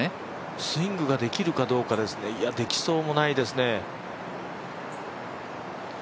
スイングができるかどうかですね、できそうもないですね。